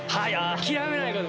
諦めないこと。